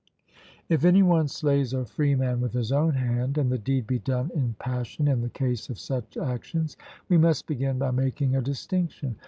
If any one slays a freeman with his own hand, and the deed be done in passion, in the case of such actions we must begin by making a distinction.